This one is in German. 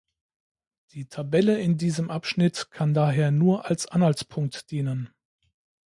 Die Tabelle in diesem Abschnitt kann daher nur als Anhaltspunkt dienen.